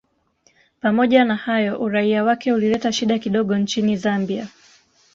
Pamoja na hayo uraia wake ulileta shida kidogo nchini Zambia